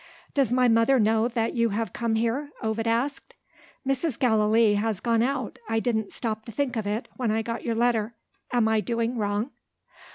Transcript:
"Does my mother know that you have come here?" Ovid asked. "Mrs. Gallilee has gone out. I didn't stop to think of it, when I got your letter. Am I doing wrong?"